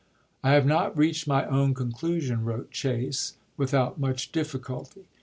" I have not reached my own conclusion," wrote Chase, " without much difficulty.